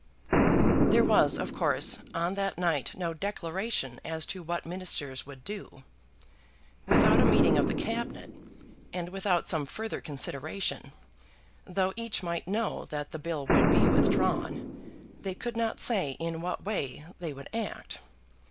There was, of course, on that night no declaration as to what ministers would do. Without a meeting of the Cabinet, and without some further consideration, though each might know that the bill would be withdrawn, they could not say in what way they would act.